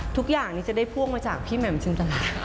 ทุกอย่างนี้จะได้พ่วงมาจากพี่แหม่มชินตลาด